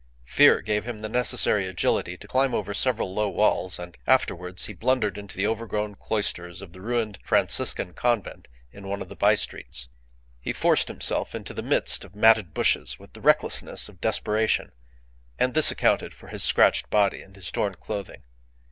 Fear gave him the necessary agility to climb over several low walls, and afterwards he blundered into the overgrown cloisters of the ruined Franciscan convent in one of the by streets. He forced himself into the midst of matted bushes with the recklessness of desperation, and this accounted for his scratched body and his torn clothing.